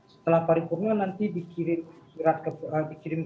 setelah paripurnakan nanti dikirim